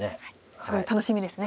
すごい楽しみですね。